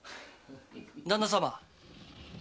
・旦那様。